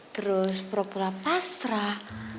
terus pura pura pasrah